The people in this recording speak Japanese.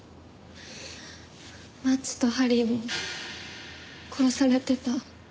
マッチとハリーも殺されてた。